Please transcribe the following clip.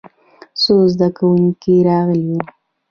څو زده کوونکي راغلي وو.